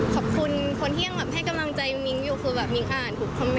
ขอบคุณคนที่ยังให้กำลังใจมิ้งว่ามิ้งอ่าน